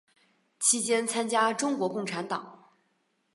期间参加中国共产党。